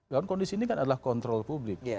dalam kondisi ini kan adalah kontrol publik